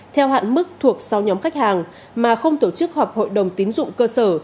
theo hạn mức thuộc sáu nhóm khách hàng mà không tổ chức họp hội đồng tín dụng cơ sở